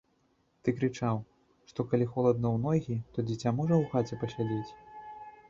Ты крычаў, што калі холадна ў ногі, то дзіця можа ў хаце пасядзець?